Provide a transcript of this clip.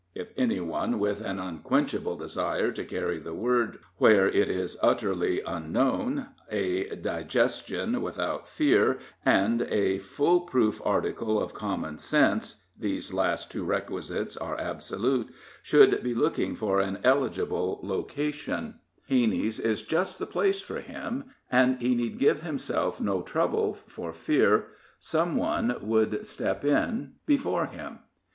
If any one with an unquenchable desire to carry the Word where it is utterly unknown, a digestion without fear, and a full proof article of common sense (these last two requisites are absolute), should be looking for an eligible location, Hanney's is just the place for him, and he need give himself no trouble for fear some one would step in before him.